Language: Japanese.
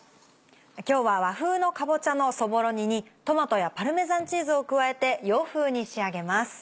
今日は和風のかぼちゃのそぼろ煮にトマトやパルメザンチーズを加えて洋風に仕上げます。